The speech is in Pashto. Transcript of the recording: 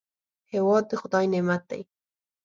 هېواد د خدای نعمت دی